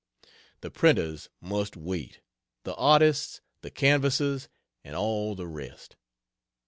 The printers must wait, the artists, the canvassers, and all the rest.